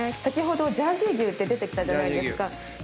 先ほどジャージー牛って出てきたじゃないですか。